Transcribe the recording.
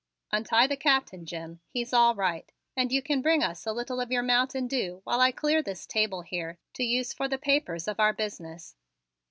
"Untie the Captain, Jim; he's all right. And you can bring us a little of your mountain dew while I clear this table here to use for the papers of our business."